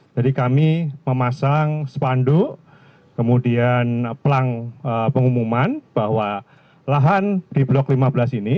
jadi kami memasang spanduk kemudian pelang pengumuman bahwa lahan di blok lima belas ini